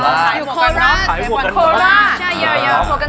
มาพี่ฟองมาช่วย